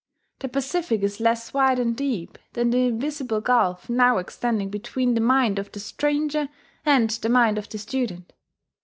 The Pacific is less wide and deep than the invisible gulf now extending between the mind of the stranger and the mind of the student.